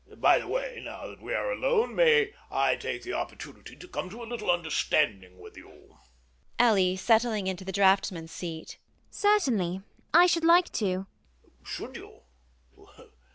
By the way, now that we are alone, may I take the opportunity to come to a little understanding with you? ELLIE [settling into the draughtsman's seat]. Certainly. I should like to. MANGAN [taken aback]. Should you?